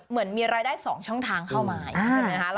เหมือนมีรายได้๒ช่องทางเข้ามาใช่ไหมคะ